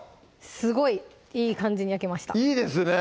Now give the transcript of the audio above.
すごいいい感じに焼けましたいいですね